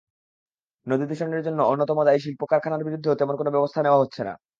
নদীদূষণের জন্য অন্যতম দায়ী শিল্পকারখানার বিরুদ্ধেও তেমন কোনো ব্যবস্থা নেওয়া হচ্ছে না।